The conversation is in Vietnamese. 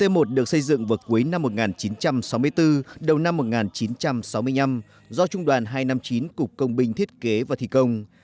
một được xây dựng vào cuối năm một nghìn chín trăm sáu mươi bốn đầu năm một nghìn chín trăm sáu mươi năm do trung đoàn hai trăm năm mươi chín cục công binh thiết kế và thi công